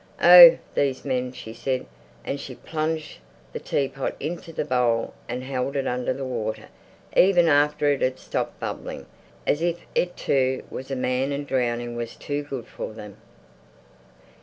"Oh, these men!" said she, and she plunged the teapot into the bowl and held it under the water even after it had stopped bubbling, as if it too was a man and drowning was too good for them.